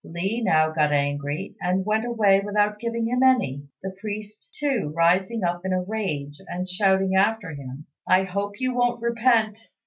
Li now got angry, and went away without giving him any, the priest, too, rising up in a rage and shouting after him, "I hope you won't repent."